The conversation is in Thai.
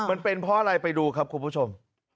มันเป็นเพราะอะไรไปดูครับคุณผู้ชม